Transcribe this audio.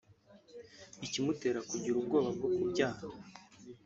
Ikimutera kugira ubwoba bwo kubyara